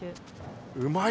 うまい！